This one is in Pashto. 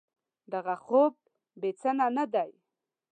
دغه خوب بې د څه نه دی.